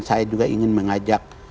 saya juga ingin mengajak